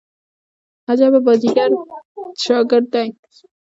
عجبه بازيګر شاګرد دئ.